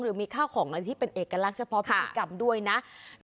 หรือมีข้าวของอะไรที่เป็นเอกลักษณ์เฉพาะพิธีกรรมด้วยนะ